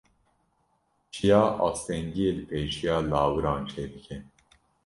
Çiya astengiyê li pêşiya lawiran çêdike.